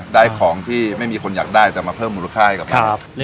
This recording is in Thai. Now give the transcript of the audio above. ได้ของที่ไม่มีคนอยากได้แต่มาเพิ่มมูลค่าให้กับมัน